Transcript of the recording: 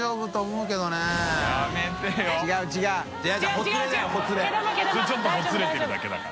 圍函ちょっとほつれてるだけだから。